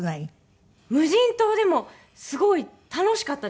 無人島はでもすごい楽しかったですね。